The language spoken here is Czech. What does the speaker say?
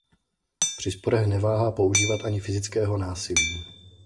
Při sporech neváhá používat ani fyzického násilí.